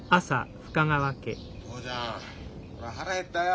父ちゃん俺腹減ったよ。